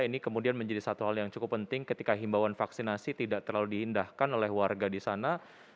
ini kemudian menjadi satu hal yang cukup penting ketika himbauan vaksinasi tidak terlalu diindahkan oleh warga di sana